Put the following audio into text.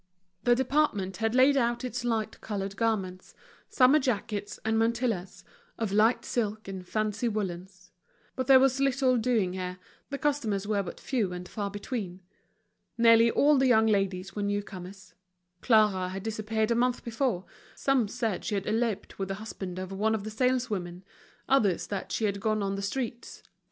The department had laid out its light colored garments, summer jackets and mantillas, of light silk and fancy woollens. But there was little doing here, the customers were but few and far between. Nearly all the young ladies were new comers. Clara had disappeared a month before, some said she had eloped with the husband of one of the saleswomen, others that she had gone on the streets.